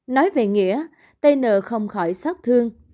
nói về nghĩa tn không khỏi xót thương